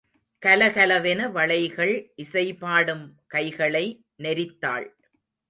கலகலவென வளைகள் இசைபாடும் கைகளை நெரித்தாள்.